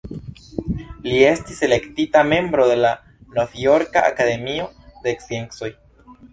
Li estis elektita membro de la Novjorka Akademio de Sciencoj.